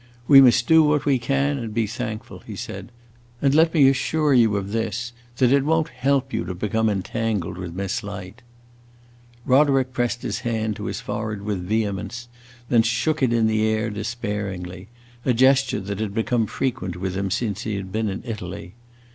"We must do what we can and be thankful," he said. "And let me assure you of this that it won't help you to become entangled with Miss Light." Roderick pressed his hand to his forehead with vehemence and then shook it in the air, despairingly; a gesture that had become frequent with him since he had been in Italy.